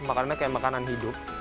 makanannya kayak makanan hidup